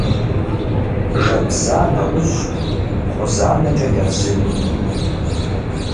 Жэбза нэужь кхъузанэкӀэ языж.